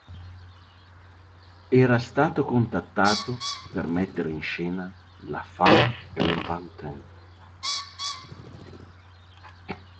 Era stato contattato per mettere in scena "La Femme et le Pantin".